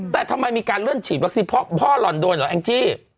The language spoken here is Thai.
แต่ทำไมมีการเลื่อนฉีดวัคซีนพ่อหล่อนโดนเหรอแองจี้